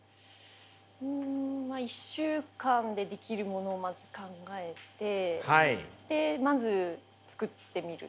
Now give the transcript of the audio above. うん１週間でできるものをまず考えてでまず作ってみる。